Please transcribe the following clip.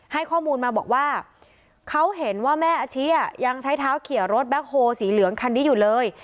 ให้ข้อมูลมาบอกว่าเขาเห็นว่าแม่อาชิยังใช้เท้าเขียรถแบ็คโฮลสีเหลืองคันนี้อยู่เลย